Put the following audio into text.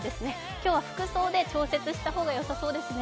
今日は服装で調節した方が良さそうでですね。